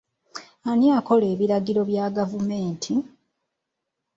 Ani akola ebiragiro bya gavumenti?